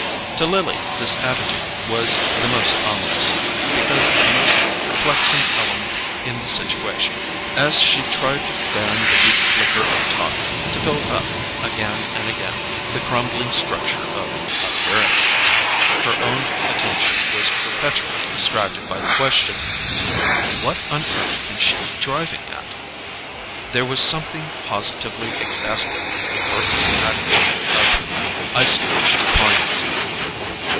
To Lily this attitude was the most ominous, because the most perplexing, element in the situation. As she tried to fan the weak flicker of talk, to build up, again and again, the crumbling structure of "appearances," her own attention was perpetually distracted by the question: "What on earth can she be driving at?" There was something positively exasperating in Bertha's attitude of isolated defiance.